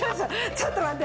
ちょっと待って。